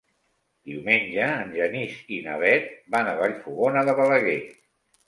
Diumenge en Genís i na Bet van a Vallfogona de Balaguer.